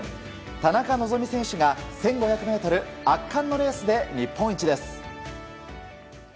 田中希実選手が１５００ｍ圧巻のレースで日本一です。